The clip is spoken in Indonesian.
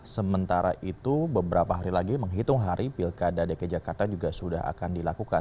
sementara itu beberapa hari lagi menghitung hari pilkada dki jakarta juga sudah akan dilakukan